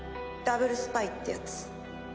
ダブルスパイってやつ。